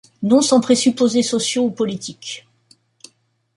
Non sans présupposés sociaux ou politiques.